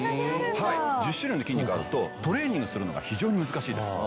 １０種類の筋肉があるとトレーニングするのが非常に難しいです。